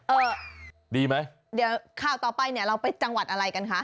เออดีไหมเดี๋ยวข่าวต่อไปเนี่ยเราไปจังหวัดอะไรกันคะ